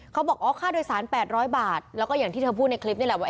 เขาบอกอ๋อค่าโดยสาร๘๐๐บาทแล้วก็อย่างที่เธอพูดในคลิปนี่แหละว่า